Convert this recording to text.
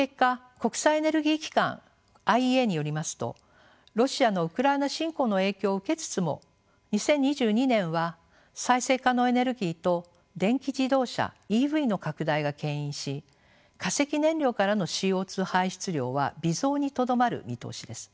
国際エネルギー機関ＩＥＡによりますとロシアのウクライナ侵攻の影響を受けつつも２０２２年は再生可能エネルギーと電気自動車ＥＶの拡大がけん引し化石燃料からのＣＯ排出量は微増にとどまる見通しです。